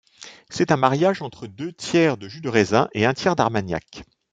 C'est un mariage entre deux tiers de jus de raisin et un tiers d'armagnac.